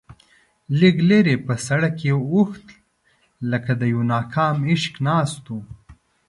لږ لرې پر سړک یو اوښ لکه د یوه ناکام عاشق ناست و.